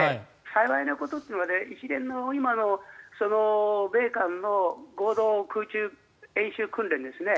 幸いなことというのは一連の今の米韓の合同空中演習訓練ですね